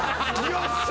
よっしゃ！